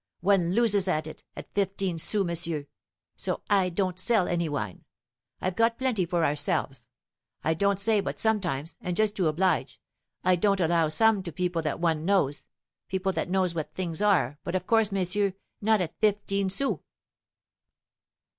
One loses at it, at fifteen sous, monsieur. So I don't sell any wine. I've got plenty for ourselves. I don't say but sometimes, and just to oblige, I don't allow some to people that one knows, people that knows what things are, but of course, messieurs, not at fifteen sous."